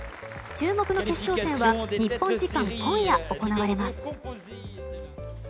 注目の決勝戦は日本時間今夜、行われます。